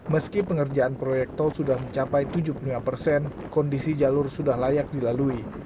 meski pengerjaan proyek tol sudah mencapai tujuh puluh lima persen kondisi jalur sudah layak dilalui